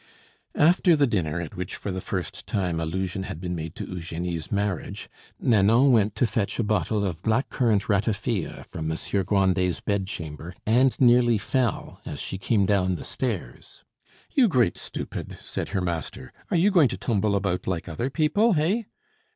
After the dinner at which for the first time allusion had been made to Eugenie's marriage, Nanon went to fetch a bottle of black currant ratafia from Monsieur Grandet's bed chamber, and nearly fell as she came down the stairs. "You great stupid!" said her master; "are you going to tumble about like other people, hey?"